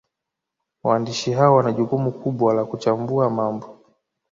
Waandishi hao wana jukumu kubwa la kuchambua mambo